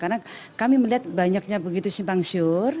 karena kami melihat banyaknya begitu simpang syur